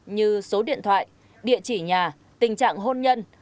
như số điện thoại địa chỉ nhà tình trạng hôn nhân